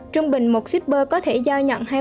trung bình một sipr có thể giao nhận